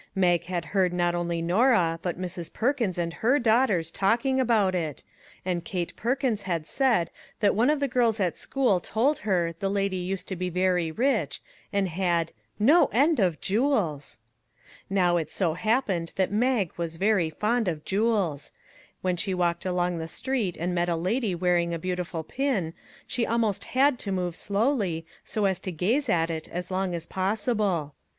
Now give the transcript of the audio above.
Mag had heard not only Norah, but Mrs. Perkins and her daughters talking about it, and Kate Perkins had said that one of the girls at school told her the lady used to be very rich, and had " no end of jewels." Now it so 70 RAISINS " happened that Mag was very fond of jewels; when she walked along the street and met a lady wearing a beautiful pin, she almost had to move slowly so as to gaze at it as long as possi ble.